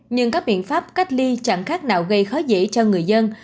nhưng các biện pháp cách ly chẳng khác nào gây khó dễ cho người dân